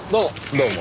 どうも。